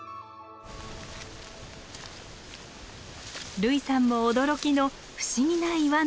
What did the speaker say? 類さんも驚きの不思議な岩の景観。